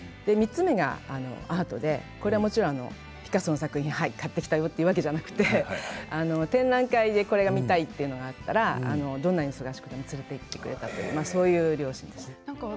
３つ目がアートでこれはもちろんピカソの作品を買ってきたよというわけじゃなくて展覧会でこれが見たいというのがあったらどんなに忙しくても連れていってくれたというそういう両親でした。